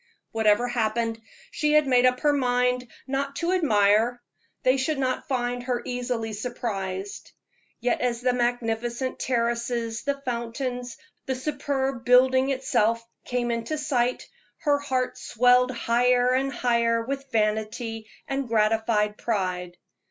Whatever happened, she had made up her mind not to admire; they should not find her easily surprised. Yet as the magnificent terraces, the fountains, the superb building itself, came into sight, her heart swelled higher and higher with vanity and gratified pride.